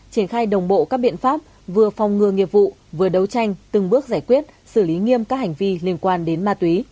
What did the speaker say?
triển khai đồng bộ các biện pháp vừa phòng ngừa nghiệp vụ vừa đấu tranh từng bước giải quyết xử lý nghiêm các hành vi liên quan đến ma túy